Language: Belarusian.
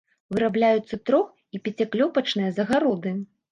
Вырабляюцца трох- і пяціклёпачныя загароды.